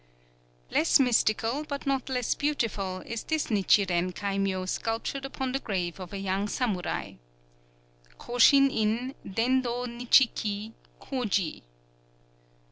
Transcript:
Less mystical, but not less beautiful, is this Nichiren kaimyō sculptured upon the grave of a young samurai: _Ko shin In, Ken dō Nichi ki, Koji.